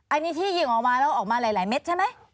อันนี้ที่ยิงออกมาแล้วออกมาหลายเม็ดใช่ไหม